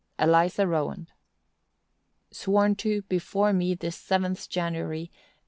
"ELIZA ROWAND. "Sworn to before me this seventh January, 1847.